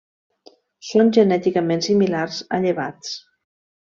Són genèticament similars a llevats.